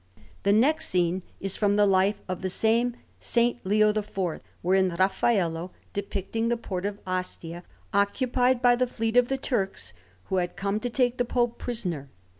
The next scene is from the life of the same S. Leo IV, wherein Raffaello depicted the port of Ostia occupied by the fleet of the Turks, who had come to take the Pope prisoner.